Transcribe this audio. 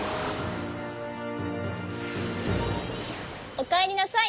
おかえりなさい。